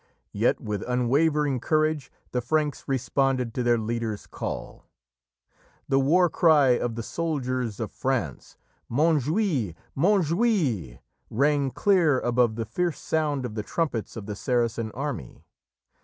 Yet with unwavering courage the Franks responded to their leaders' call. The war cry of the soldiers of France "Montjoie! Montjoie!" rang clear above the fierce sound of the trumpets of the Saracen army.